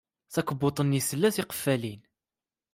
Takebbuḍt-nni tla tiqeffalin.